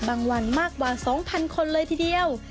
วันมากกว่า๒๐๐คนเลยทีเดียว